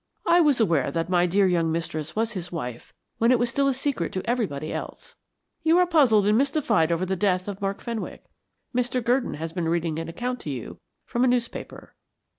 I was aware that my dear young mistress was his wife when it was still a secret to everybody else. You are puzzled and mystified over the death of Mark Fenwick. Mr. Gurdon has been reading an account to you from a newspaper."